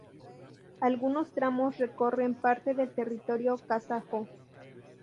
Algunos tramos recorren parte del territorio kazajo.